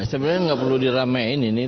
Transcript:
sebenarnya nggak perlu diramaiin ini